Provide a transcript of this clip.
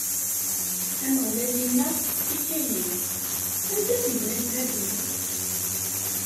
Ameɣlal inna i Kayin: Anda-t gma-k Habil?